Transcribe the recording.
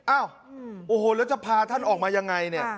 อ้าวโอ้โหแล้วจะพาท่านออกมายังไงเนี่ย